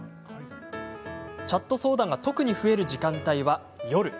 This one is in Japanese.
チャット相談が特に増える時間帯は夜。